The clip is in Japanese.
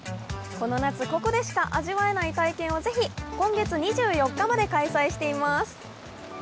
この夏、ここでしか味わえない体験をぜひ、今月２４日まで開催しています。